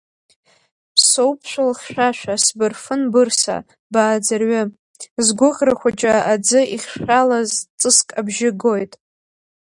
Соуԥшәыл хьшәашәа, сбырфын бырса, бааӡырҩы, згәыӷра хәыҷы аӡы ихшәалаз ҵыск абжьы гоит.